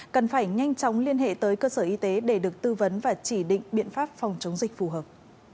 cần phải nhanh chóng liên hệ tới cơ sở y tế để được tư vấn và chỉ định biện pháp phòng chống dịch phù hợp